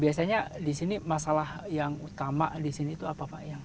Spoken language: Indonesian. biasanya di sini masalah yang utama di sini itu apa pak